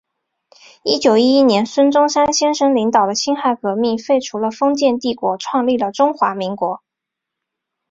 一九一一年孙中山先生领导的辛亥革命，废除了封建帝制，创立了中华民国。